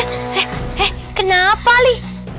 eh eh kenapa ali